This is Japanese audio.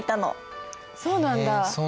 へえそうなんだ。